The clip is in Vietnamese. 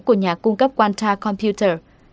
của nhà cung cấp quanta computer